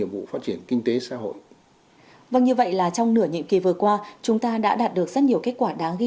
mời quý vị cùng theo dõi